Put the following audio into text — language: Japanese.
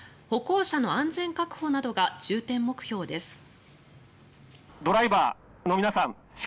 歩行者の安全確保などが重点目標です。